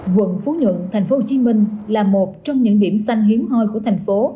quận phú nhuận thành phố hồ chí minh là một trong những điểm xanh hiếm hoi của thành phố